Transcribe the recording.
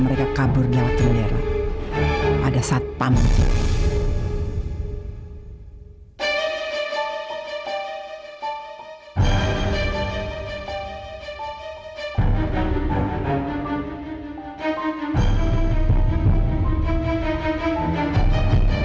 terima kasih giving riza penguntut yang bernama riza